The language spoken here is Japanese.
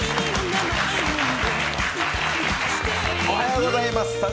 おはようございます。